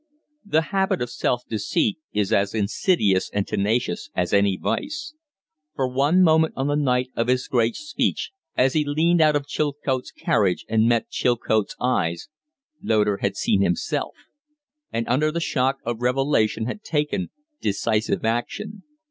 The habit of self deceit is as insidious and tenacious as any vice. For one moment on the night of his great speech, as he leaned out of Chilcote's carriage and met Chilcote's eyes, Loder had seen himself and under the shock of revelation had taken decisive action.